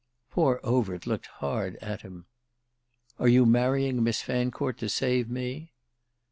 Poor Overt looked hard at him. "Are you marrying Miss Fancourt to save me?"